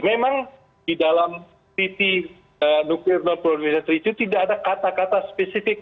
memang di dalam treaty nuclear non provision treaty itu tidak ada kata kata spesifik